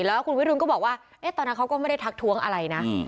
แล้วคุณวิรุณก็บอกว่าตอนนั้นเขาก็ไม่ได้ทักท้วงอะไรนะ